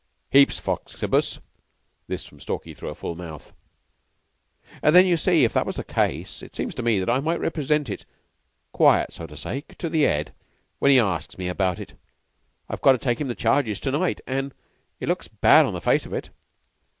Heaps, Foxibus." This from Stalky through a full mouth. "Then you see, if that was the case, it seemed to me I might represent it, quiet so to say, to the 'Ead when he asks me about it. I've got to take 'im the charges to night, an' it looks bad on the face of it."